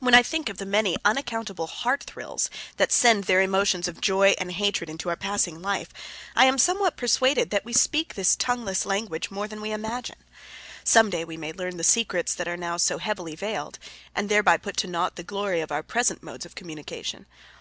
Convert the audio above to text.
When I think of the many unaccountable heart thrills that send their emotions of joy and hatred into our passing life, I am somewhat persuaded that we speak this tongueless language more than we imagine. Some day we may learn the secrets that are now so heavily veiled and thereby put to naught the glory of our present modes of communication.